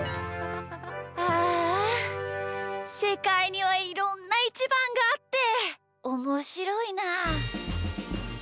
ああせかいにはいろんなイチバンがあっておもしろいな。